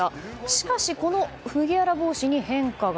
しかし、この麦わら帽子に変化が。